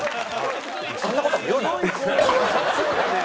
そんな事も言うな。